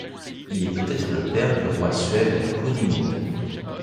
Il est peut-être le père du roi suève Hunimund.